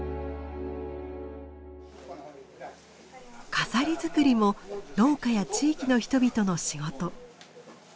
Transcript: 飾り作りも農家や地域の人々の仕事。